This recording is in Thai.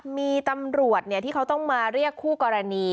มีตำรวจที่เขาต้องมาเรียกคู่กรณี